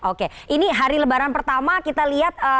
oke ini hari lebaran pertama kita lihat